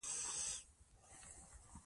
د جګړې وسلې تر نورو ساده وې.